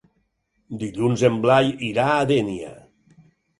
Dilluns en Blai irà a Dénia.